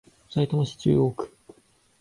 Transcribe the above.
さいたま市中央区